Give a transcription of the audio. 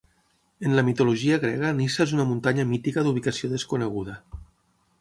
En la mitologia grega Nysa és una muntanya mítica d'ubicació desconeguda.